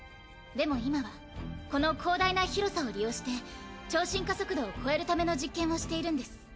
でも今はこの広大な広さを利用して超進化速度を超えるための実験をしているんです。